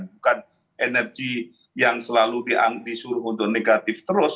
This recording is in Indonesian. bukan energi yang selalu disuruh untuk negatif terus